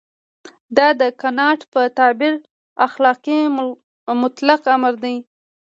دا د کانټ په تعبیر اخلاقي مطلق امر دی.